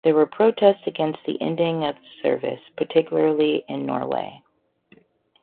There were protests against the ending of the service, particularly in Norway.